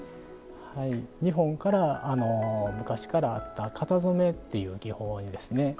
日本から昔からあった型染めっていう技法にですね